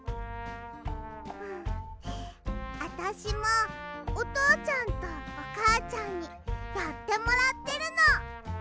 あたしもおとうちゃんとおかあちゃんにやってもらってるの。